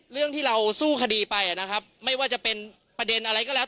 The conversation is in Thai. เรื่องที่เราสู้คดีไปนะครับไม่ว่าจะเป็นประเด็นอะไรก็แล้ว